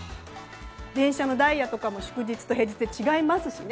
電車のダイヤも祝日と平日で違いますしね。